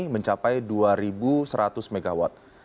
mencapai dua mw